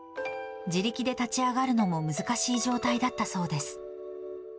自力で立ち上がるのも難しい状態だったそうです。